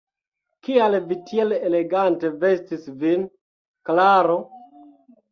Kial vi tiel elegante vestis vin, Klaro?